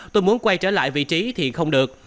tôi muốn quay trở lại vị trí thì không được